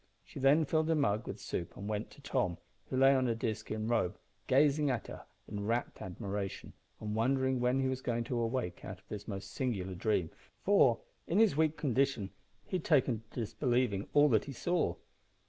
She then filled a mug with soup, and went to Tom, who lay on a deerskin robe, gazing at her in rapt admiration, and wondering when he was going to awake out of this most singular dream, for, in his weak condition, he had taken to disbelieving all that he saw.